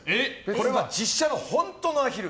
これは実写の本当のアヒル。